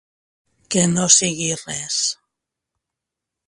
Que no sigui res.